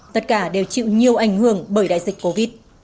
tất cả đều chịu nhiều ảnh hưởng bởi đại dịch covid